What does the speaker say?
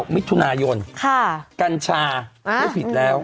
มิถุนายนกัญชาไม่ผิดแล้ว